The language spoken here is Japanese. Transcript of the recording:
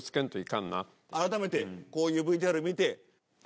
あらためてこういうＶＴＲ見て。